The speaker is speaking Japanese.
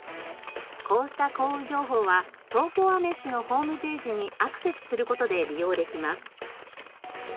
こうした降雨情報は東京アメッシュのホームページにアクセスする事で利用できます。